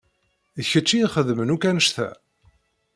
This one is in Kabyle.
D kečč i ixedmen akk annect-a?